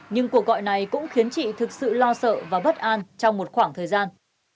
nhưng cuộc gọi này cũng khiến chị thực sự lo sợ và bất an trong một khoảng thời gian